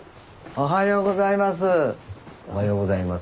おはようございます。